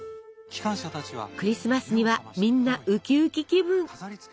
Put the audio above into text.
クリスマスにはみんなウキウキ気分！